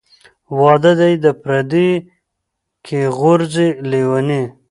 ـ واده دى د پرديي کې غورځي لېوني .